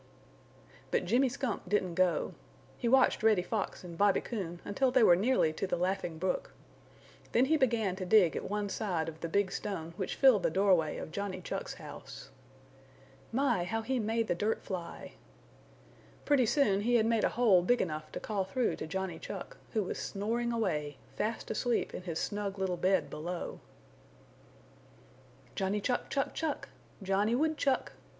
But Jimmy Skunk didn't go. He watched Reddy Fox and Bobby Coon until they were nearly to the Laughing Brook. Then he began to dig at one side of the big stone which filled the doorway of Johnny Chuck's house. My, how he made the dirt fly! Pretty soon he had made a hole big enough to call through to Johnny Chuck, who was snoring away, fast asleep in his snug little bed below. "Johnny Chuck, Chuck, Chuck! Johnny Woodchuck!"